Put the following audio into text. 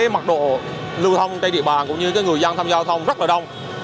mặc độ lưu thông trên địa bàn cũng như người dân tham gia giao thông rất là đông